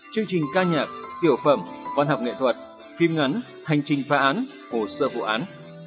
chương trình ca nhạc tiểu phẩm văn học nghệ thuật phim ngắn hành trình phá án hồ sơ vụ án